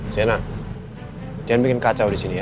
sienna jangan bikin kacau di sini ya